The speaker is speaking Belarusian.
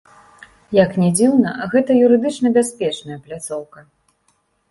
Як не дзіўна, гэта юрыдычна бяспечная пляцоўка.